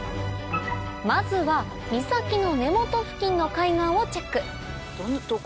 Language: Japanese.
まずは岬の根元付近の海岸をチェック